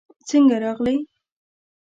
څنګه راغلې؟